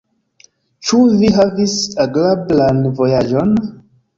Ĉu vi havis agrablan vojaĝon?